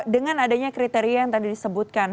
dengan adanya kriteria yang tadi disebutkan